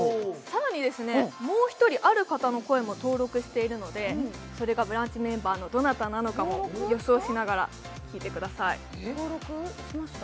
更に、もう一人、ある方の声も登録しているのでそれが「ブランチ」メンバーのどなたなのかも予想しながら聞いてください。